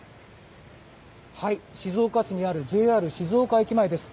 静岡市にあるＪＲ静岡駅前です。